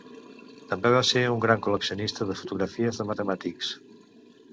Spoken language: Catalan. També va ser un gran col·leccionista de fotografies de matemàtics.